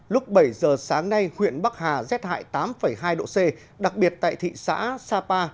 lúc bảy giờ sáng nay huyện bắc hà rét hại tám hai độ c đặc biệt tại thị xã sapa